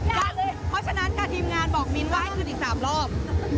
เพราะฉะนั้นค่ะทีมงานบอกมิ้นว่าให้คืนอีก๓รอบ